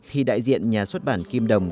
thì đại diện nhà xuất bản kim đồng